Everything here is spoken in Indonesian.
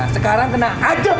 sekarang kena adab